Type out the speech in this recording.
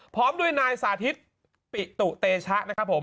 พร้อมด้วยนายสาธิตปิตุเตชะนะครับผม